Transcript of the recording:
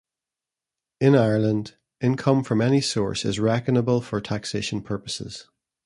In Ireland, income from any source is reckonable for taxation purposes.